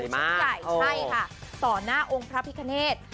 ใช่ค่ะต่อหน้าองค์พระพิกเนตร